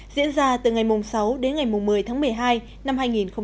diễn ra từ ngày sáu đến ngày một mươi tháng một mươi hai năm hai nghìn một mươi chín